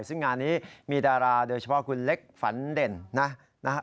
ซึ่งงานนี้มีดาราโดยเฉพาะคุณเล็กฝันเด่นนะครับ